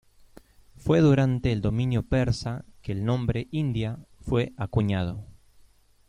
Fue durante el dominio persa que el nombre India fue acuñado.